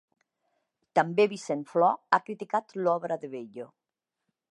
També Vicent Flor ha criticat l'obra de Bello.